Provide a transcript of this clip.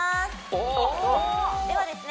おおではですね